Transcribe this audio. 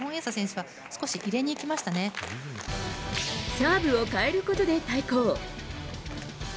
サーブを変えることで対抗。